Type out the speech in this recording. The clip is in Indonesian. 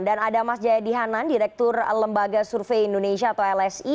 dan ada mas jayadi hanan direktur lembaga survei indonesia atau lsi